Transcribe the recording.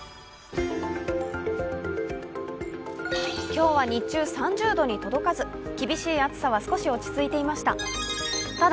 今日は日中３０度に届かず厳しい暑さは少し落ち着いていました。